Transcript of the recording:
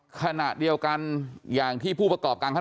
ขณะเดียวกันอย่างที่ผู้ประกอบการข้าง